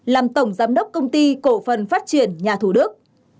làm tổng giám đốc công ty cổ phần phát triển nhà thủ đức